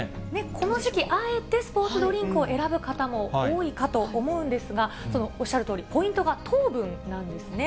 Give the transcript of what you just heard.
この時期あえてスポーツドリンクを選ぶ方も多いかと思うんですが、おっしゃるとおり、ポイントが糖分なんですね。